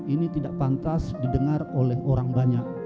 ini tidak pantas didengar oleh orang banyak